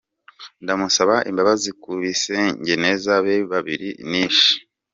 Ndamusaba imbabazi ku bisengeneza be babiri nishe.